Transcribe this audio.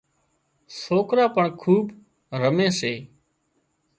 سوڪرا پڻ کُوٻ رمي سي